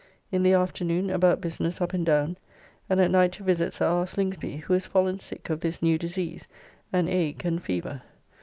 In the afternoon about business up and down, and at night to visit Sir R. Slingsby, who is fallen sick of this new disease, an ague and fever.